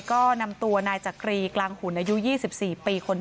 ก็นำตัวนายจักรีกลางหุ่นอายุ๒๔ปีคน